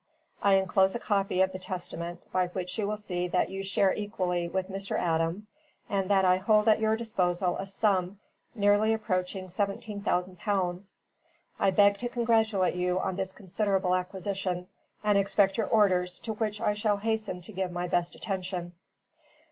I enclose a copy of the testament, by which you will see that you share equally with Mr. Adam, and that I hold at your disposal a sum nearly approaching seventeen thousand pounds. I beg to congratulate you on this considerable acquisition, and expect your orders, to which I shall hasten to give my best attention.